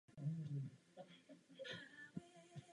Její název je překládán jako „dědictví“.